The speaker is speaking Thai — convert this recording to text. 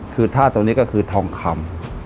คือท่าตรงนี้ก็คือทองคำ